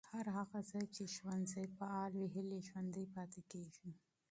هر هغه ځای چې ښوونځي فعال وي، هیلې ژوندۍ پاتې کېږي.